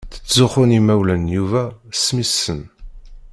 Ttzuxxun yimawlan n Yuba s mmi-tsen.